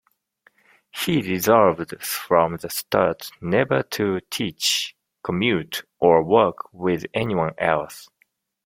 He resolved from the start never to teach, commute, or work with anyone else.